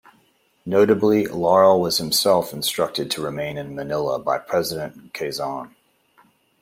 Notably, Laurel was himself instructed to remain in Manila by President Quezon.